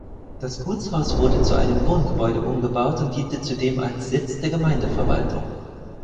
Das Gutshaus wurde zu einem Wohngebäude umgebaut und diente zudem als Sitz der Gemeindeverwaltung.